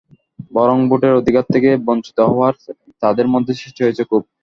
বরং ভোটের অধিকার থেকে বঞ্চিত হওয়ায় তাঁদের মধ্যে সৃষ্টি হয়েছে ক্ষোভ।